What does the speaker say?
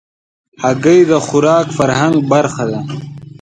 هګۍ د خوراک فرهنګ برخه ده.